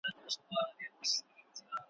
د شهیدانو شمېر معلوم نه دی ,